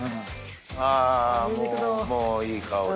あもういい香り。